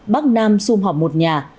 bắc nam xung họp một nhà